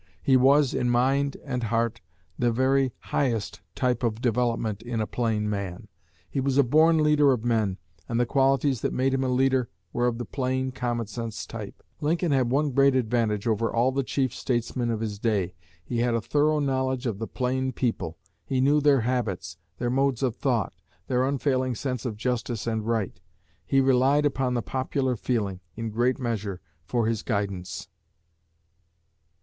He was, in mind and heart, the very highest type of development of a plain man. He was a born leader of men, and the qualities that made him a leader were of the plain, common sense type.... Lincoln had one great advantage over all the chief statesmen of his day. He had a thorough knowledge of the plain people. He knew their habits, their modes of thought, their unfailing sense of justice and right. He relied upon the popular feeling, in great measure, for his guidance."